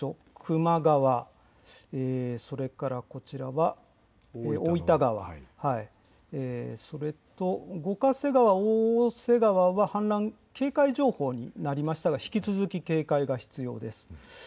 球磨川、大分川、五ヶ瀬川、大瀬川は氾濫警戒情報になりましたが引き続き警戒が必要です。